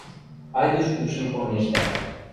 Айдуш ӱпшӹм кормежта.